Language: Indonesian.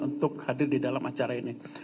untuk hadir di dalam acara ini